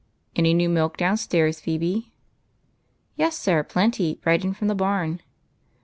Any new milk downstairs, Phebe?" "Yes, sir, plenty, — right in from the barn."